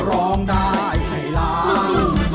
ร้องได้ให้ล้าน